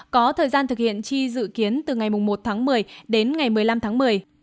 có thời gian thực hiện chi dự kiến từ ngày một tháng một mươi đến ngày một mươi năm tháng một mươi